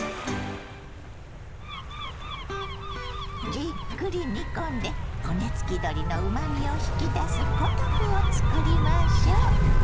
じっくり煮込んで骨付き鶏のうまみを引き出すポトフを作りましょ。